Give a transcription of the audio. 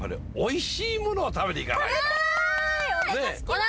食べたい！